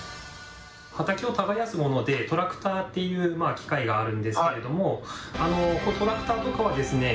畑を耕すものでトラクターっていう機械があるんですけれどもこのトラクターとかはですね